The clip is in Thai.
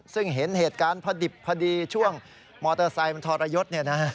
ซึ่งเห็นเหตุการณ์พอดิบพอดีช่วงมอเตอร์ไซค์มันทรยศ